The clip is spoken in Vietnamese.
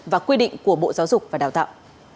và quy định của bộ giáo dục và đào tạo